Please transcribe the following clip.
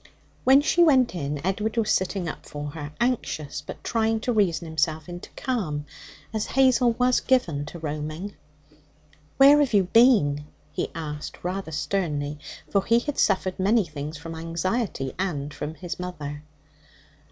When she went in, Edward was sitting up for her, anxious, but trying to reason himself into calm, as Hazel was given to roaming. 'Where have you been?' he asked rather sternly, for he had suffered many things from anxiety and from his mother.